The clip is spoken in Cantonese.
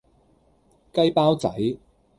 雞包仔